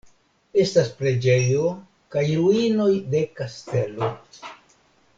Estas preĝejo kaj ruinoj de kastelo.